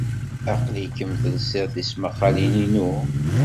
Aql-ikem telsid tismaqqalin-inu?